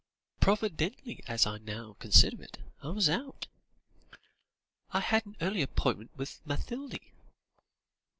"Providentially, as I now consider it, I was out. I had an early appointment with Mathilde."